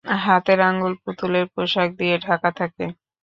হাতের আঙ্গুল পুতুলের পোশাক দিয়ে ঢাকা থাকে।